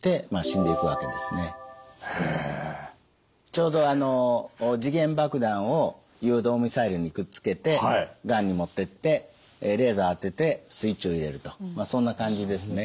ちょうどあの時限爆弾を誘導ミサイルにくっつけてがんに持ってってレーザー当ててスイッチを入れるとそんな感じですね。